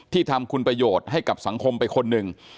ทำคุณประโยชน์ให้กับสังคมไปคนหนึ่ง